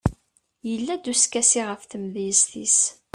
yella-d uskasi ɣef tmedyazt-is